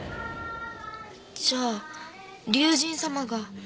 じゃあ竜神様が。